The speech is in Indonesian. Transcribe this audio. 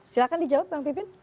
silahkan dijawab bang pipin